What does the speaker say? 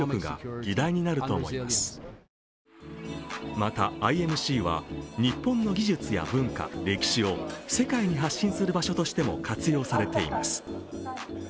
また、ＩＭＣは日本の技術や文化、歴史を世界に発信する場所としても活用されています。